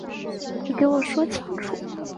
你给我说清楚